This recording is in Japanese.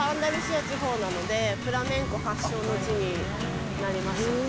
ココがアンダルシア地方なのでフラメンコの発祥の地になります。